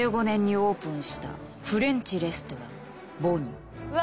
２０１５年にオープンしたフレンチレストランボニュ。